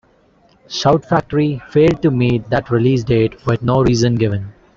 Shout Factory failed to meet that release date with no reason given.